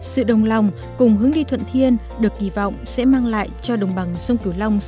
sự đồng lòng cùng hướng đi thuận thiên được kỳ vọng sẽ mang lại cho đồng bằng sông cửu long